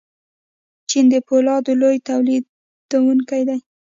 چین د فولادو لوی تولیدونکی دی.